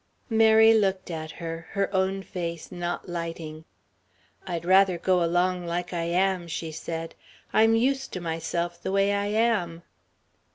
Mary looked at her, her own face not lighting. "I'd rather go along like I am," she said; "I'm used to myself the way I am."